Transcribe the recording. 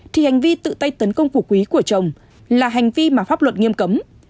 thì hành vi tự tay tấn công của quý của chồng là hành vi mà pháp luật nghiêm cấm